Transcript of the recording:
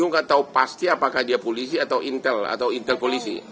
jadi iu gak tau pasti apakah dia polisi atau intel atau intel polisi